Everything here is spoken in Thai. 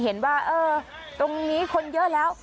เห็นว่าเออตรงนี้คนเยอะแล้ว